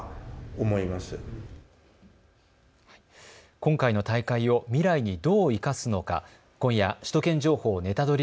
今回の大会を未来にどう生かすのか、今夜、首都圏情報ネタドリ！